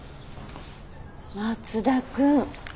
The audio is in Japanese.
松田君。